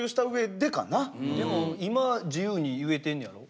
でも今自由に言えてんのやろ？